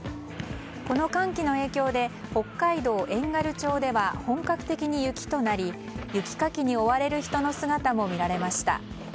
この寒気の影響で北海道遠軽町では本格的に雪となり雪かきに追われる人の姿も見られました。